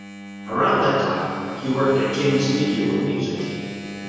Around that time, he worked at Kim's Video and Music.